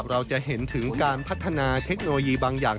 เราจะเห็นถึงการพัฒนาเทคโนโลยีบางอย่าง